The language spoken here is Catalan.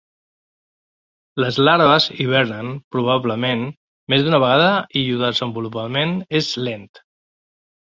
Les larves hivernen, probablement, més d'una vegada i llur desenvolupament és lent.